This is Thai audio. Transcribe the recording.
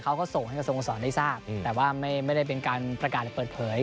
เขาก็ส่งให้กับสโมสรได้ทราบแต่ว่าไม่ได้เป็นการประกาศเปิดเผย